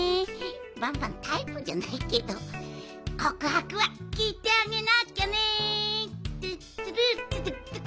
バンバンタイプじゃないけどこくはくはきいてあげなきゃね。